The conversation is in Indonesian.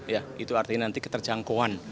ya itu artinya nanti keterjangkauan